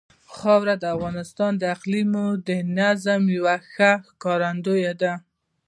خاوره د افغانستان د اقلیمي نظام یوه ښه ښکارندوی ده.